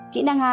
kỹ năng hai